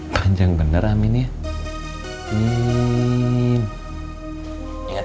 panjang bener aminnya